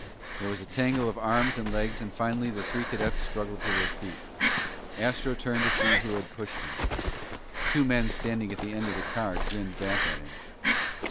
There was a tangle of arms and legs and finally the three cadets struggled to their feet. Astro turned to see who had pushed him. Two men standing at the end of the car grinned back at him.